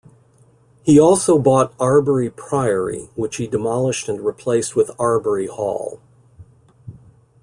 He also bought Arbury Priory, which he demolished and replaced with Arbury Hall.